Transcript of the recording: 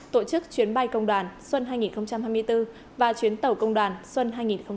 tổ chức chuyến bay công đoàn xuân hai nghìn hai mươi bốn và chuyến tàu công đoàn xuân hai nghìn hai mươi bốn